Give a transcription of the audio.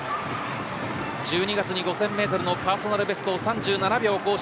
１２月に５０００メートルのパーソナルベストを３７秒更新。